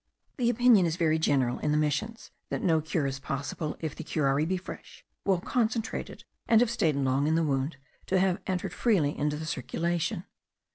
The opinion is very general in the missions that no cure is possible, if the curare be fresh, well concentrated, and have stayed long in the wound, to have entered freely into the circulation.